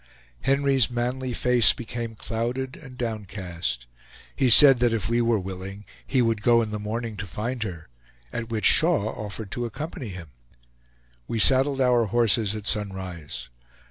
Henry's manly face became clouded and downcast; he said that if we were willing he would go in the morning to find her, at which Shaw offered to accompany him. We saddled our horses at sunrise.